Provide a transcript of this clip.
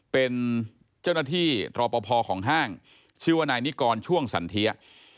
เป็นเจ้าหน้าที่รอปภของห้างชื่อว่านายนิกรช่วงสันเทีย